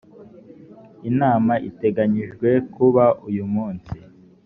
inama iteganyijwe kuba uyumunsi.